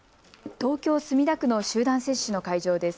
東京墨田区の集団接種の会場です。